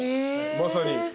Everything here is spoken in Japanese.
まさに。